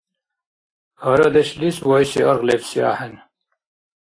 Арадешлис вайси аргъ лебси ахӏен